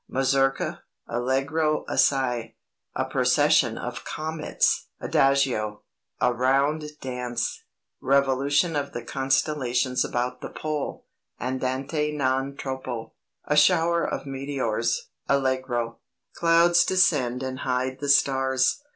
Mazurka, Allegro assai.... A procession of comets (Adagio). A round dance, revolution of the constellations about the pole (Andante non troppo). A shower of meteors (... Allegro). Clouds descend and hide the stars.